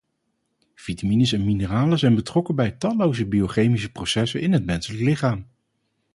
Vitamines en mineralen zijn betrokken bij talloze biochemische processen in het menselijk lichaam.